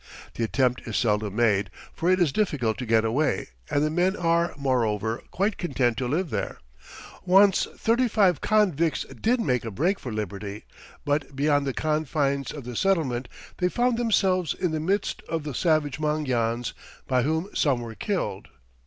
The attempt is seldom made, for it is difficult to get away, and the men are, moreover, quite content to live there. Once thirty five convicts did make a break for liberty, but beyond the confines of the settlement they found themselves in the midst of the savage Mangyans, by whom some were killed.